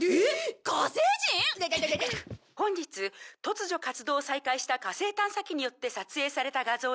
「本日突如活動を再開した火星探査機によって撮影された画像です」